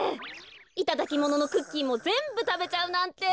いただきもののクッキーもぜんぶたべちゃうなんて。